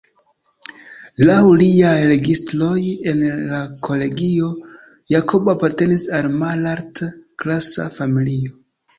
Laŭ liaj registroj en la kolegio, Jakobo apartenis al malalt-klasa familio.